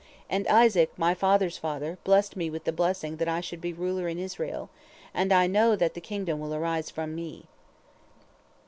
And Isaac, my father's father, blessed me with the blessing that I should be ruler in Israel, and I know that the kingdom will arise from me.